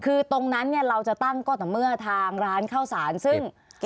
คือตรงนั้นเนี่ยเราจะตั้งก็ต่อเมื่อทางร้านเข้าสารซึ่ง